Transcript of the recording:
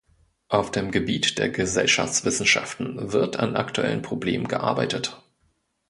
Auf dem Gebiet der Gesellschaftswissenschaften wird an aktuellen Problemen gearbeitet.